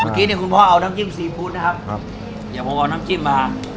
เมื่อกี้เนี่ยคุณพ่อเอาน้ำจิ้มซีฟู้ดนะครับอย่าพอเอาน้ำจิ้มมา